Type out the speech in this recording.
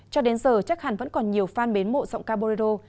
cho đến giờ chắc hẳn vẫn còn nhiều fan bến mộ giọng caboero